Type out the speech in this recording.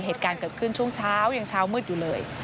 เหตุการณ์เกิดขึ้นช่วงเช้ายังเช้ามืดอยู่เลย